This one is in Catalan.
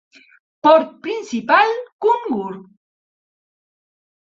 Port principal: Kungur.